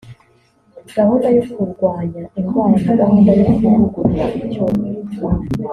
gahunda yo kurwanya indwara na gahunda yo kuvugurura icyororo